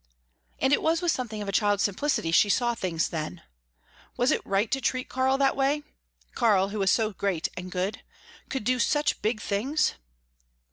And it was with something of a child's simplicity she saw things then. Was it right to treat Karl that way Karl who was so great and good could do such big things?